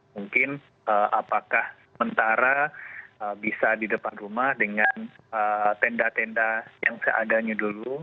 mungkin apakah sementara bisa di depan rumah dengan tenda tenda yang seadanya dulu